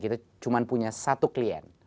kita cuma punya satu klien